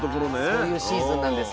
そういうシーズンなんです。